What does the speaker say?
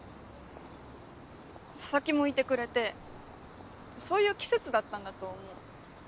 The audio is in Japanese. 佐々木もいてくれてそういう季節だったんだと思う。